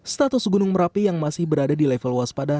status gunung merapi yang masih berada di level waspada